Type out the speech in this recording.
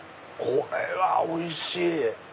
これはおいしい！